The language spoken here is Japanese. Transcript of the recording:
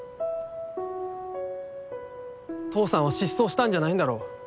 父さんは失踪したんじゃないんだろう？